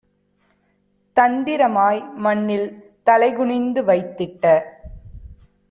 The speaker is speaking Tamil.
தந்திரமாய் மண்ணில் தலைகுனிந்து வைத்திட்ட